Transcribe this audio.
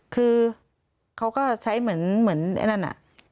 คือเขาก็ใช้เหมือนไอ้นั่นน่ะ